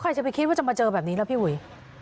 ใครจะไปคิดว่าจะมาเจอแบบนี้แล้วพี่อุ๋ย